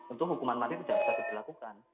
untuk hukuman mati tidak bisa diberlakukan